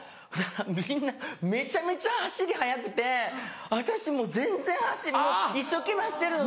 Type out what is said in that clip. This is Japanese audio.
みんなめちゃめちゃ走り速くて私もう全然一生懸命走ってるのに。